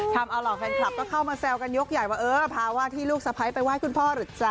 ทำเอาเหล่าแฟนคลับก็เข้ามาแซวกันยกใหญ่ว่าเออพาว่าที่ลูกสะพ้ายไปไห้คุณพ่อหรือจ๊